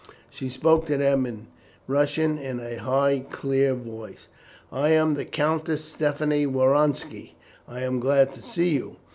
She spoke to them in Russian, in a high, clear voice: "I am the Countess Stephanie Woronski. I am glad to see you.